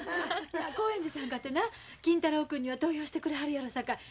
興園寺さんかてな金太郎君には投票してくれはるやろさかい